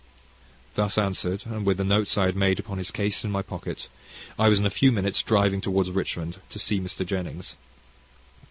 Thus answered, and with the notes I had made upon his case in my pocket, I was in a few minutes driving towards Richmond, to see Mr. Jennings.